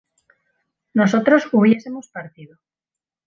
nosotros hubiésemos partido